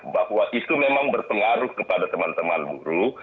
bahwa itu memang berpengaruh kepada teman teman buruh